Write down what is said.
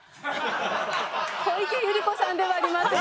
小池百合子さんではありません。